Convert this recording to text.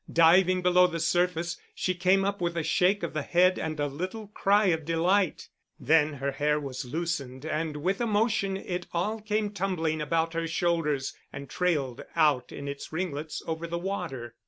Diving below the surface, she came up with a shake of the head and a little cry of delight; then her hair was loosened and with a motion it all came tumbling about her shoulders and trailed out in its ringlets over the water.